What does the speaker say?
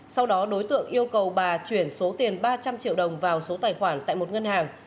sau đó đối tượng yêu cầu bà chuyển số tiền ba trăm linh triệu đồng vào số tài khoản tại một ngân hàng